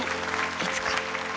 いつか。